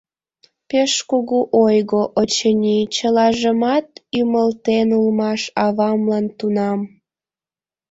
Пеш кугу ойго, очыни, чылажымат ӱмылтен улмаш авамлан тунам.